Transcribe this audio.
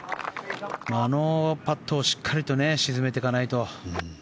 あのパットをしっかり沈めていかないと。